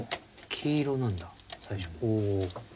黄色なんだ最初。